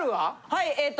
はいえっと